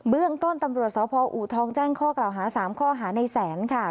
เรื่องต้นตำรวจสพอูทองแจ้งข้อกล่าวหา๓ข้อหาในแสนค่ะ